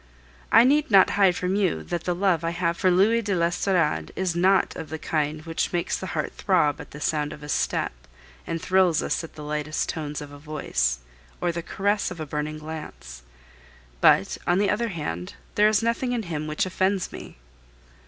I need not hide from you that the love I have for Louis de l'Estorade is not of the kind which makes the heart throb at the sound of a step, and thrills us at the lightest tones of a voice, or the caress of a burning glance; but, on the other hand, there is nothing in him which offends me.